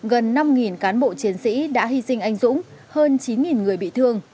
gần năm cán bộ chiến sĩ đã hy sinh anh dũng hơn chín người bị thương